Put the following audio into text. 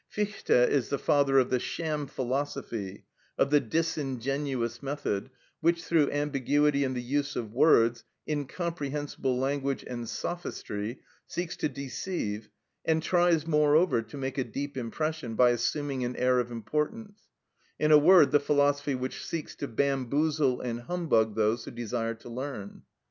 Fichte is the father of the sham philosophy, of the disingenuous method which, through ambiguity in the use of words, incomprehensible language, and sophistry, seeks to deceive, and tries, moreover, to make a deep impression by assuming an air of importance—in a word, the philosophy which seeks to bamboozle and humbug those who desire to learn.